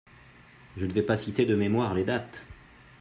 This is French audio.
Je ne vais pas citer de mémoire les dates